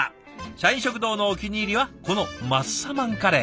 社員食堂のお気に入りはこのマッサマンカレー。